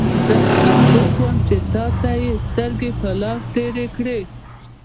زه هغه څوک وم چې تا ته یې سترګې په لار تېرې کړې.